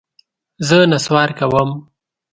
زه نسوار کوم.